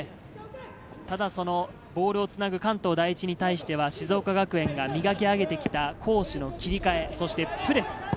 ただボールをつなぐ関東第一に対しては、静岡学園が磨き上げてきた攻守の切り替え、そしてプレス。